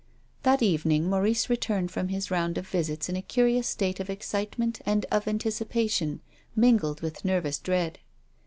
That evening Maurice returned from his round of visits in a curious state of excitement and of anticipation, mingled with nervous dread.